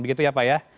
begitu ya pak ya